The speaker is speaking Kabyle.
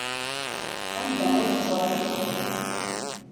Anda ay t-yeẓra Yidir?